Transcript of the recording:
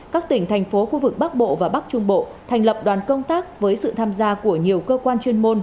các tỉnh thành phố khu vực bắc bộ và bắc trung bộ thành lập đoàn công tác với sự tham gia của nhiều cơ quan chuyên môn